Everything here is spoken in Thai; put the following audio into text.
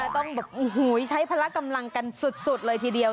ต้องแบบใช้พละกำลังกันสุดเลยทีเดียว